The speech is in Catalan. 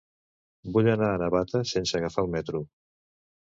Vull anar a Navata sense agafar el metro.